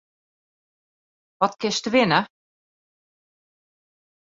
Wat kinst winne?